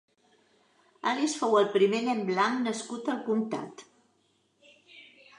Alice fou el primer nen blanc nascut al comtat.